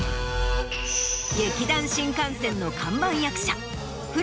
劇団☆新感線の看板役者。